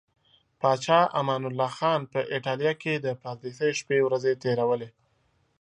پاچا امان الله خان په ایټالیا کې د پردیسۍ شپې ورځې تیرولې.